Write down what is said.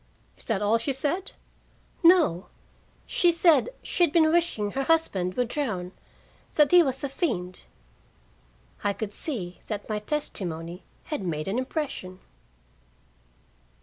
"Is that all she said?" "No. She said she'd been wishing her husband would drown; that he was a fiend." I could see that my testimony had made an impression.